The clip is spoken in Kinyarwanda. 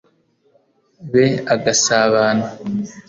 be agasabana